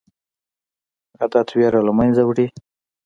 عادت ویره له منځه وړي.